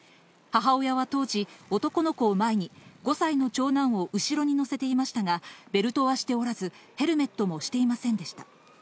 母親は当時、男の子を前に、５歳の長男を後ろに乗せていましたが、ベルトはしておらず、ヘルメットもしていませんでした。